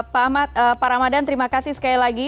pak ahmad pak ramadan terima kasih sekali lagi